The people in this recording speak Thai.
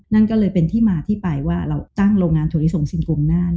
นั่นก็เลยเป็นที่มาที่ไปว่าเราตั้งโรงงานโถรศงสินคุมนั่น